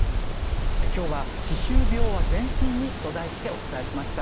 今日は歯周病は全身に！と題してお伝えしました。